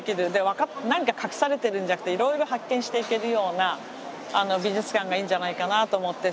何か隠されてるんじゃなくていろいろ発見していけるような美術館がいいんじゃないかなと思って。